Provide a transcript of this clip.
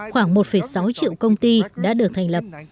khoảng một sáu triệu công ty đã được thành lập